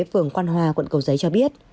phường quan hoa quận cầu giấy cho biết